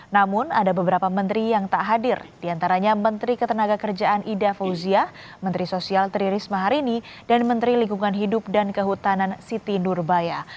namun ada beberapa menteri yang tak hadir diantaranya menteri ketenaga kerjaan ida fauzia menteri sosial tri risma harini dan menteri lingkungan hidup dan kehutanan siti nurbaya